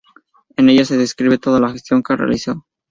En ella se describe toda la gestión que se realizó.